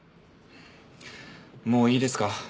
もういいですか？